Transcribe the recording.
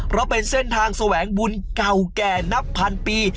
เพราะเป็นเส้นทางแสวงบุญเก่าแก่นับพันปี